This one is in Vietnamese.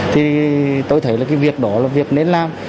thì tôi thấy là cái việc đó là việc nên làm